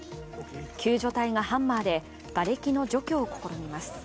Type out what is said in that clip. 救助隊がハンマーでがれきの除去を試みます。